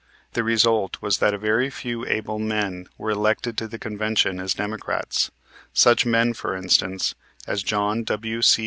The result was that a few very able men were elected to the convention as Democrats, such men, for instance, as John W.C.